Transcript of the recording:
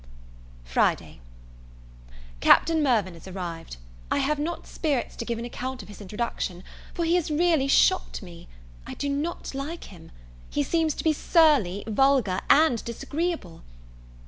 Friday. Captain Mirvan is arrived. I have not spirits to give an account of his introduction, for he has really shocked me. I do not like him. He seems to be surly, vulgar, and disagreeable.